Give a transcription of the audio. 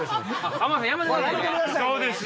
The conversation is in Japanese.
浜田さんやめてくださいね！